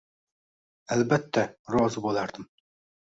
Albatta, rozi bo`lardim